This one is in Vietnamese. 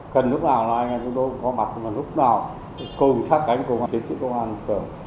cần lúc nào là anh em chúng tôi có mặt lúc nào cũng sát cánh công an chính trị công an